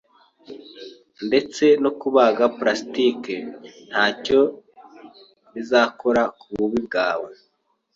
Ndetse no kubaga plastique ntacyo bizakora kububi bwawe.